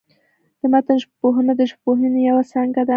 د متن ژبپوهنه، د ژبپوهني یوه څانګه ده.